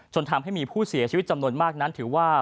ทำให้มีผู้เสียชีวิตจำนวนมากนั้นถือว่า